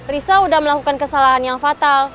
risa sudah melakukan kesalahan yang fatal